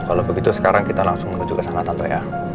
kalau begitu sekarang kita langsung menuju kesana tante ya